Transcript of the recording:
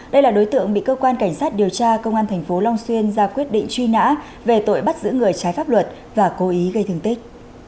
đây là đối tượng bị cơ quan cảnh sát điều tra công an tp long xuyên ra quyết định truy nã về tội bắt giữ người trái pháp luật và cố ý gây thương tích